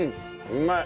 うまい！